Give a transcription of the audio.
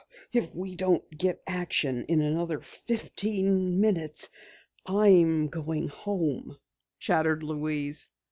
"If we don't get action in another fifteen minutes I am going home," chattered Louise.